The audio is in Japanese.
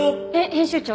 編集長。